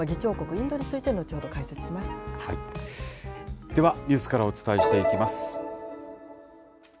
インドについて後ほど解説では、ニュースからお伝えしていきます。